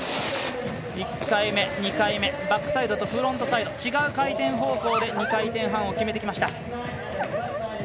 １回目、２回目バックサイドとフロントサイド違う回転方向で２回転半を決めてきました。